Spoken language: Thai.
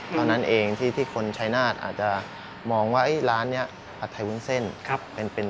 เท่านั้นเองที่คนชายนาฏอาจจะมองว่าร้านนี้ผัดไทยวุ้นเส้น